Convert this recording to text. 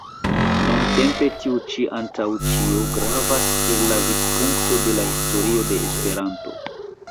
Nuntempe tiu ĉi antaŭ ĉio gravas el la vidpunkto de la historio de Esperanto.